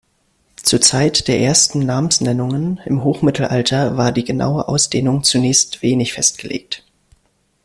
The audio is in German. Zur Zeit der ersten Namensnennungen im Hochmittelalter war die genaue Ausdehnung zunächst wenig festgelegt.